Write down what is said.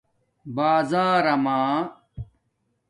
بازرمݳ